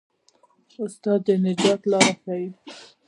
استاد د نجات لار ښيي.